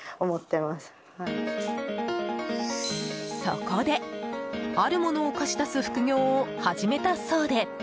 そこで、あるものを貸し出す副業を始めたそうで。